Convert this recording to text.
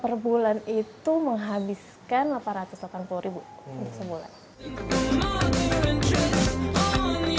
per bulan itu menghabiskan delapan ratus delapan puluh ribu untuk sebulan